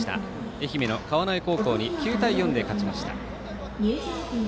愛媛の川之江高校に９対４で勝ちました。